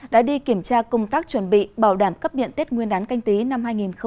đã đi kiểm tra công tác chuẩn bị bảo đảm cấp điện tết nguyên đán canh tí năm hai nghìn hai mươi